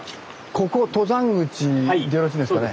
ここ登山口でよろしいですかね？